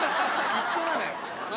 一緒なの？